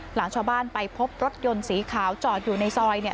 หลังชาวบ้านไปพบรถยนต์สีขาวจอดอยู่ในซอยเนี่ย